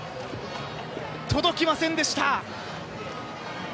届きませんでした。